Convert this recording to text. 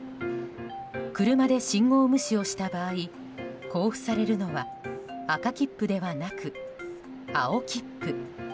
車で信号無視をした場合交付されるのは赤切符ではなく青切符。